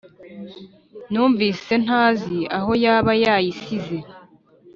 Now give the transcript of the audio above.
Numvise ntazi ahoy aba yayisize